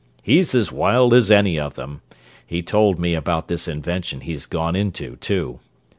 "He's as wild as any of them. He told me about this invention he's gone into, too.